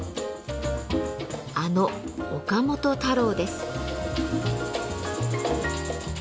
あの岡本太郎です。